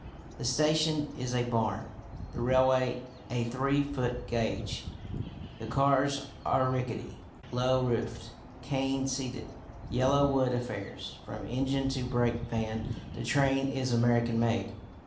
The station is a barn, the railway a three foot gauge, the cars are rickety, low roofed, cane seated yellow wood affairs. From engine to brake van the train is American made.